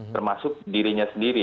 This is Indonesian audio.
termasuk dirinya sendiri